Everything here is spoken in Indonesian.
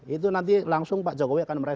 itu nanti langsung pak jokowi akan meraih